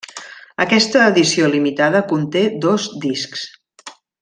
Aquesta Edició Limitada conté dos discs.